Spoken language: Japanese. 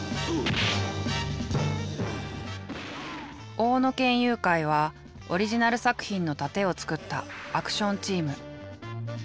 大野剣友会はオリジナル作品の殺陣を作ったアクションチーム。